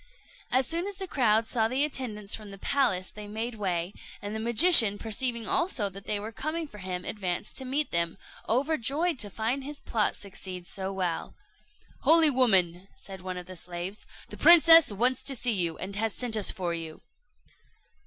As soon as the crowd saw the attendants from the palace, they made way; and the magician, perceiving also that they were coming for him, advanced to meet them, overjoyed to find his plot succeed so well. "Holy woman," said one of the slaves, "the princess wants to see you, and has sent us for you."